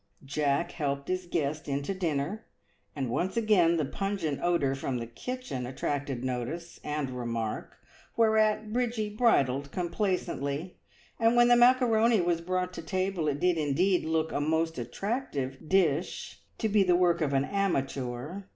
Jack helped his guest in to dinner, and once again the pungent odour from the kitchen attracted notice and remark, whereat Bridgie bridled complacently, and when the macaroni was brought to table it did indeed look a most attractive dish to be the work of an amateur.